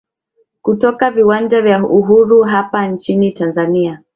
kutoka viwanja vya uhuru hapa nchini tanzania